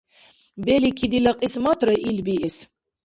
Белики, дила кьисматра ил биэс…